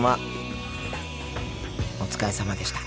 お疲れさまでした。